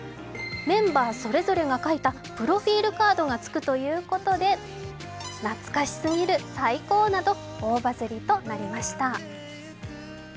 メンバーそれぞれが書いたプロフィールカードがつくということで懐かしすぎる、最高など大バズりとなりました。